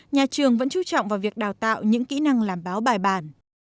nhà trường vẫn trú trọng vào việc đào tạo những kỹ năng làm báo bài bàn